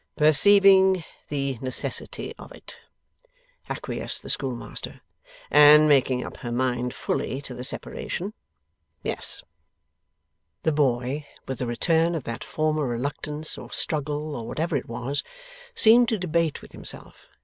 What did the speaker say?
'Perceiving the necessity of it,' acquiesced the schoolmaster, 'and making up her mind fully to the separation. Yes.' The boy, with a return of that former reluctance or struggle or whatever it was, seemed to debate with himself.